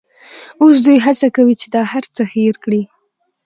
اوس دوی هڅه کوي چې دا هرڅه هېر کړي.